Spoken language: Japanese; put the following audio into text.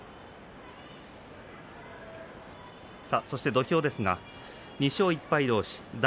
土俵ですが２勝１敗同士大